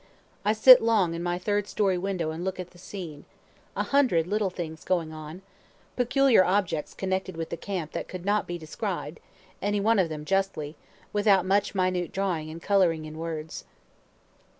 I sit long in my third story window and look at the scene a hundred little things going on peculiar objects connected with the camp that could not be described, any one of them justly, without much minute drawing and coloring in words.